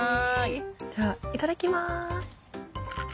じゃあいただきます。